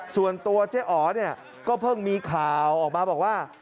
ส่วนตัวเจ๊อ๋อเนี่ยก็เพิ่งมีข่าวออกมาบอกว่า